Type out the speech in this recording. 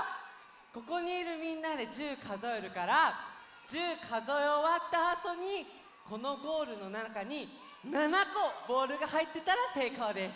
ここにいるみんなで１０かぞえるから１０かぞえおわったあとにこのゴールのなかに７こボールがはいってたらせいこうです。